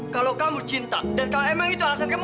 kalau kamu cinta dan kalau emang itu alasan kamu